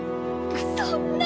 そんな！